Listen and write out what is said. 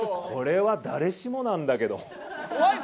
これは誰しもなんだけど。